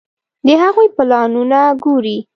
د هغوی پلانونه ګوري.